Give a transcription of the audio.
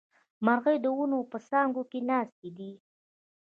مرغۍ د ونو په څانګو کې ناستې دي